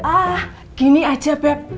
ah gini aja beb